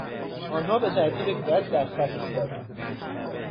آنها به ترتیب قد در خط ایستادند.